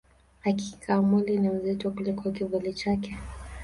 Hakika, mwili ni mzito kuliko kivuli chake.